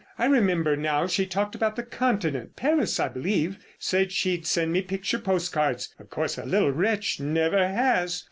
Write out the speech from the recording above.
I remember now she talked about the Continent—Paris, I believe. Said she'd send me picture postcards—of course, the little wretch never has....